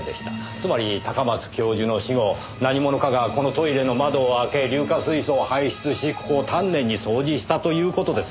つまり高松教授の死後何者かがこのトイレの窓を開け硫化水素を排出しここを丹念に掃除したという事です。